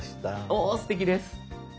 おすてきです。